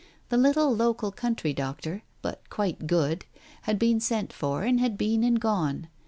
The little local country doctor, (but quite "good,") had been sent for and had been and gone.